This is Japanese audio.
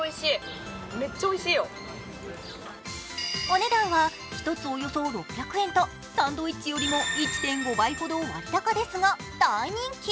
お値段は１つおよそ６００円とサンドイッチよりも１．５倍ほど割高ですが大人気。